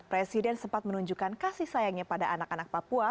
presiden sempat menunjukkan kasih sayangnya pada anak anak papua